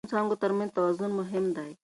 د علم څانګو ترمنځ توازن مهم دی.